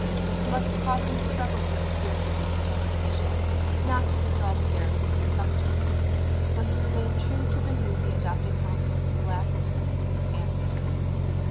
It must have cost him a struggle to adhere to his official decision not to withdraw the garrison from Sumter, but he remained true to the newly adopted counsels of Black, Holt, and Stanton.